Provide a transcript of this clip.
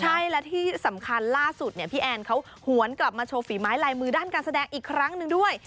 ใช่และที่สำคัญล่าสุดเนี่ยพี่แอนเขาหวนกลับมาโชว์ฝีไม้ลายมือด้านการแสดงอีกครั้งหนึ่งด้วย